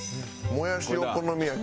もやしお好み焼き。